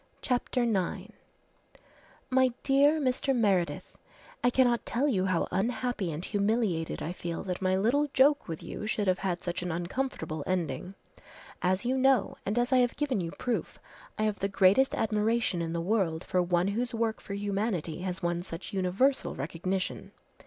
CHAPTER IX "My dear Mr. Meredith, "I cannot tell you how unhappy and humiliated I feel that my little joke with you should have had such an uncomfortable ending. As you know, and as I have given you proof, I have the greatest admiration in the world for one whose work for humanity has won such universal recognition.